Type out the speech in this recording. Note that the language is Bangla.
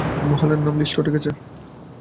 মহলের নাম লিস্টে উঠে গেছে।